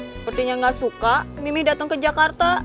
sepertinya gak suka mimi datang ke jakarta